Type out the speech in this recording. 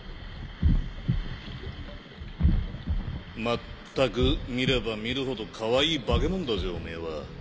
まったく見れば見るほどかわいい化け物だぜおめぇは。